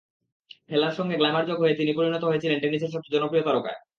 খেলার সঙ্গে গ্ল্যামার যোগ হয়ে তিনি পরিণত হয়েছিলেন টেনিসের সবচেয়ে জনপ্রিয় তারকায়।